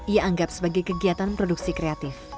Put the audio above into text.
ia anggap sebagai kegiatan produksi kreatif